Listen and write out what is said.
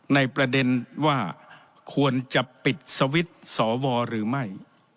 ในประเด็นว่าควรจะปิดสวิตช์สวหรือไม่